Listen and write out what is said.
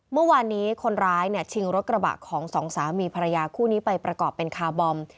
เมื่อวานนี้คนร้ายชิงรถกระบะของสองสามีภรรยาคู่นี้ไปประกอบเป็นคาร์บอม